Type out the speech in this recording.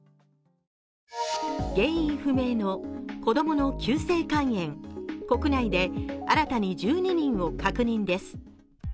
原因不明の子供の急性肝炎、国内で新たに１２人を確認です。